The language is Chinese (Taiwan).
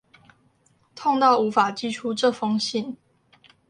痛到無法寄出這封信